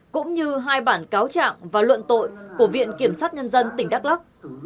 cũng như hai bản cáo trạng và luận tội của viện kiểm sát nhân dân tỉnh đắk lắc